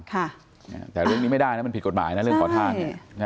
แต่เรื่องนี้ไม่ได้นะมันผิดกฎหมายนะเรื่องขอทาง